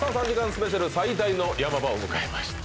スペシャル最大のヤマ場を迎えました。